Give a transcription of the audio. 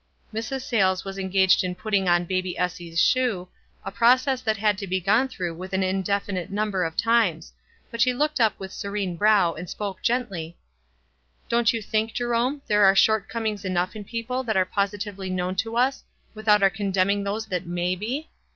WISE AND OTHERWISE. 315 Mrs. Sayles was engaged in putting on baby Essie's shoe, a process that had to be gone through with an indefinite number of times ; but she looked up with serene brow, and spoke g< ut iy, —" Don't you think, Jerome, there are short comings enough in people that are positively known to us, without our condemning those that may be?